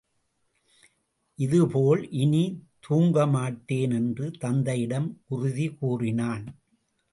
இது போல் இனி தூங்கமாட்டேன் என்று தந்தையிடம் உறுதி கூறினான்.